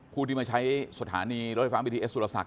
ผู้ที่มาใช้สถานีรถไฟฟ้าบีทีเอสสุรศักด